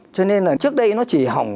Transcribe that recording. cho nên là trước đây nó chỉ hỏng